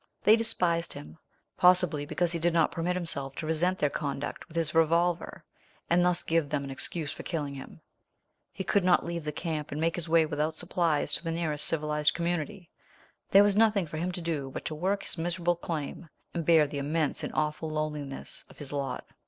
They despised him, possibly because he did not permit himself to resent their conduct with his revolver, and thus give them an excuse for killing him. He could not leave the camp and make his way without supplies to the nearest civilized community. There was nothing for him to do but to work his miserable claim, and bear the immense and awful loneliness of his lot.